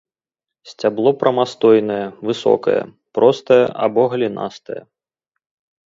Сцябло прамастойнае, высокае, простае або галінастае.